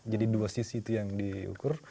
jadi dua sisi itu yang diukur